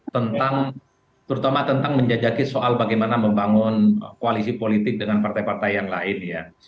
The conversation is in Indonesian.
tentang terutama tentang menjajaki soal bagaimana membangun koalisi politik dengan partai partai yang lain ya